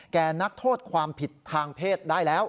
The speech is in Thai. นักโทษความผิดทางเพศได้แล้ว